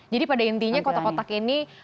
jadi pada intinya kotak kotak ini